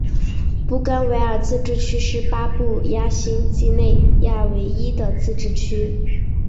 布干维尔自治区是巴布亚新几内亚唯一的自治区。